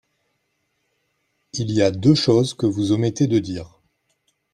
Il y a deux choses que vous omettez de dire.